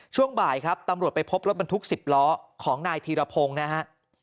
ช่วงบ่ายครับตำรวจไปพบรถบรรทุก๑๐ล้อของนายธีรพงศ์นะฮะ